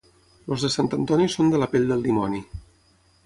Els de Sant Antoni són de la pell del dimoni.